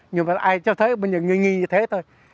nhưng mà ai cho thấy bây giờ người nghĩ như thế thôi